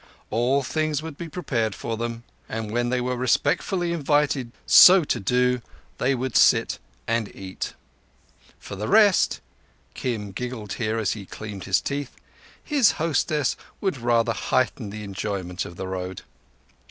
All things would be prepared for them, and when they were respectfully invited so to do they would sit and eat. For the rest—Kim giggled here as he cleaned his teeth—his hostess would rather heighten the enjoyment of the road.